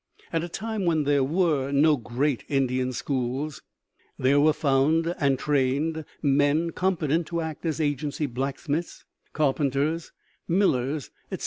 At a time when there were no great Indian schools, there were found and trained men competent to act as agency blacksmiths, carpenters, millers, etc.